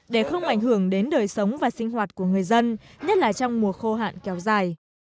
để không ảnh hưởng đến đời sống và sinh hoạt của người dân nhất là trong mùa khô hạn kéo dài